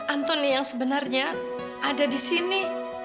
antoni yang sebenarnya ada di sini